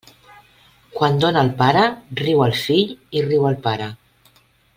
Quan dóna el pare, riu el fill i riu el pare.